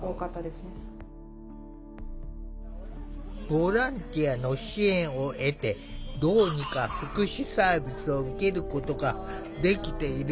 ボランティアの支援を得てどうにか福祉サービスを受けることができているチアゴくん。